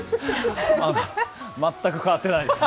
全く変わっていないです。